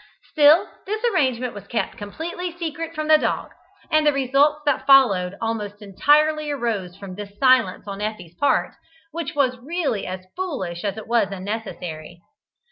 Still this arrangement was kept completely secret from the dog, and the results that followed almost entirely arose from this silence on Effie's part, which was really as foolish as it was unnecessary.